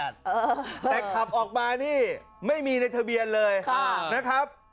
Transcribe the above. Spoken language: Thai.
แต่ขับออกมานี่ไม่มีในทะเบียนเลยนะครับ